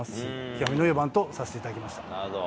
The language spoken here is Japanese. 極みの４番とさせていただきました。